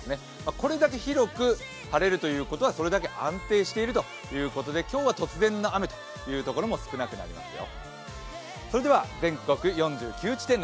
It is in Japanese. これだけ広く晴れるということはそれだけ安定しているということで今日は突然の雨というところも少なくなりますよ。